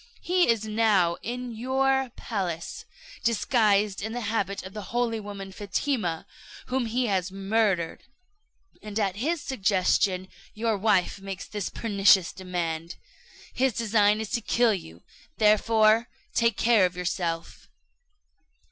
He is now in your palace, disguised in the habit of the holy woman Fatima, whom he has murdered; at his suggestion your wife makes this pernicious demand. His design is to kill you, therefore take care of yourself."